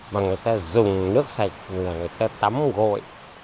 mà người ta dùng nước sạch người ta tắm gội